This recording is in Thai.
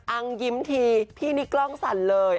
ังยิ้มทีพี่นี่กล้องสั่นเลย